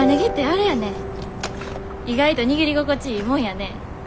意外と握り心地いいもんやね。